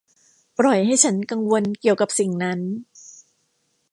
ปล่อยให้ฉันกังวลเกี่ยวกับสิ่งนั้น